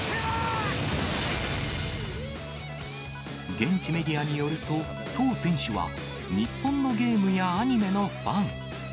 現地メディアによると、トウ選手は、日本のゲームやアニメのファン。